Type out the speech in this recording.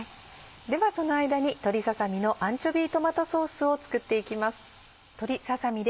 ではその間に「鶏ささ身のアンチョビートマトソース」を作っていきます。